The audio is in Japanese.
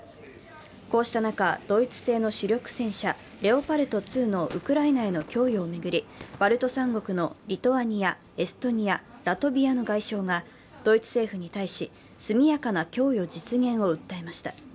こうした中、ドイツ製の主力戦車、レオパルト２のウクライナへの供与を巡り、バルト３国のリトアニア、エストニア、ラトビアの外相がドイツ政府に対し、速やかな供与実現を訴えました。